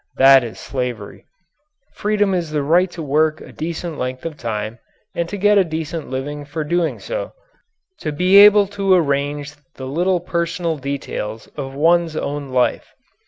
That is slavery. Freedom is the right to work a decent length of time and to get a decent living for doing so; to be able to arrange the little personal details of one's own life.